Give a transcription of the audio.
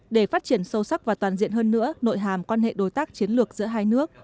để phát triển sâu sắc và toàn diện hơn nữa nội hàm quan hệ đối tác chiến lược giữa hai nước